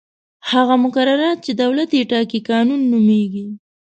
هغه مقررات چې دولت یې ټاکي قانون نومیږي.